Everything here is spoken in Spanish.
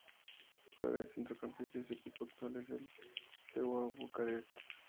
Juega de centrocampista y su equipo actual es el Steaua de Bucarest.